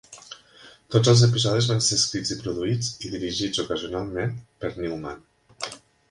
Tots els episodis van ser escrits i produïts, i dirigits ocasionalment, per Newman.